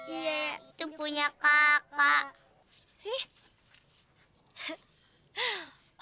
iya itu punya kakak